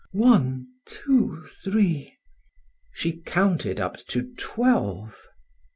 "One, two, three " She counted up to twelve.